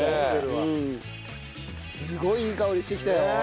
すごいいい香りしてきたよ。